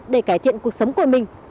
để cải thiện cuộc sống của mình